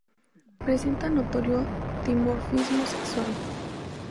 Presenta notorio dimorfismo sexual.